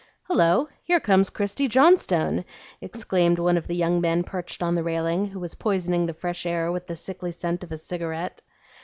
"Hullo! here comes Christie Johnstone," exclaimed one of the young men perched on the railing, who was poisoning the fresh air with the sickly scent of a cigarette.